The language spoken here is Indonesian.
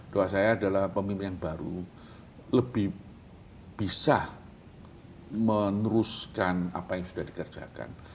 doa saya adalah pemimpin yang baru lebih bisa meneruskan apa yang sudah dikerjakan